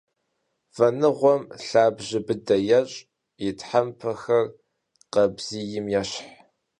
Вэныгъуэм лъабжьэ быдэ ещӏ, и тхьэмпэхэр къабзийм ещхьщ.